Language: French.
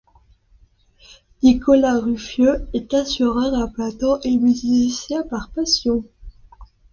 Nicolas Ruffieux est assureur à plein temps et musicien par passion.